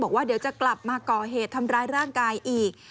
บอกว่าเดี๋ยวจะกลับมาก่อเหตุทำร้ายร่างกายอีก